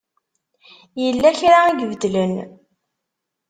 Yella kra i ibeddlen.